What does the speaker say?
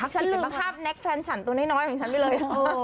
ฉันลืมภาพแน็กแฟนฉันตัวน้อยของฉันไปเลย